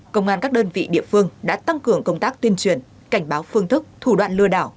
công an các đơn vị địa phương đã tăng cường công tác tuyên truyền cảnh báo phương thức thủ đoạn lừa đảo